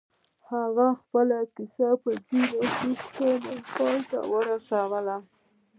هغه خپله کيسه په ځينو پوښتنو پای ته ورسوله.